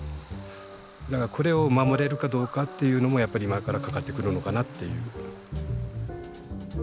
だからこれを守れるかどうかっていうのもやっぱり今からかかってくるのかなっていう。